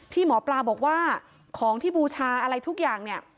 ที่หมอปลาบอกว่าของที่บูชาอะไรทุกอย่างเนี่ย